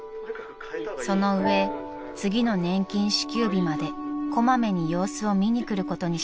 ［その上次の年金支給日まで小まめに様子を見に来ることにしました］